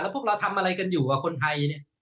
แล้วพวกเราทำอะไรกันอยู่ว่าคนไทย